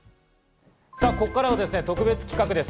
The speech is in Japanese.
ここからは特別企画です。